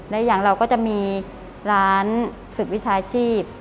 และอย่างเราก็จะมีร้านฝึกวิชาชีพ